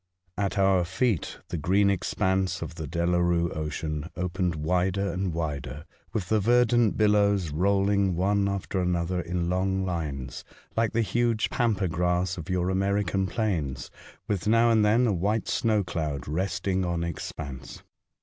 At our feet the green expanse of the Delarue Ocean opened wider and wider, with the verdant billows rolling one after another in long lines, like the huge pampa grass of your American plains, with now and then a white snow cloud resting on expanse.